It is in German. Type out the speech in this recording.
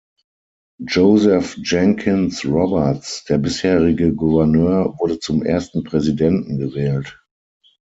Joseph Jenkins Roberts, der bisherige Gouverneur, wurde zum ersten Präsidenten gewählt.